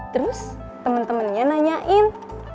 terus temen temennya nanyain